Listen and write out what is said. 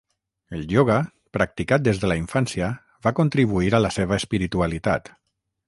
El ioga, practicat des de la infància va contribuir a la seva espiritualitat.